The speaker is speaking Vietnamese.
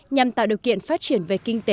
nhằm tạo điều kiện phát triển về kinh tế